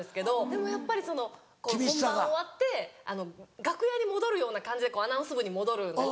でもやっぱり本番終わって楽屋に戻るような感じでアナウンス部に戻るんですけど。